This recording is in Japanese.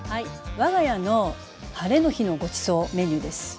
我が家のハレの日のごちそうメニューです。